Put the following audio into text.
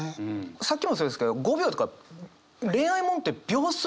さっきもそうですけど「５秒」とか恋愛物って秒数とか分とか出てくるんですよね